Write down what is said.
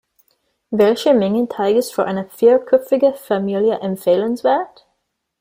Welche Menge Teig ist für eine vierköpfige Familie empfehlenswert?